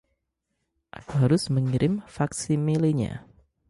Aku harus mengirim faksimilenya.